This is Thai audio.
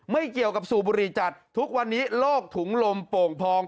ไม่เกี่ยวกับสูบบุหรี่จัดทุกวันนี้โลกถุงลมโป่งพอง